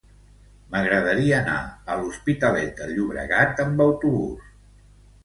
M'agradaria anar a l'Hospitalet de Llobregat amb autobús.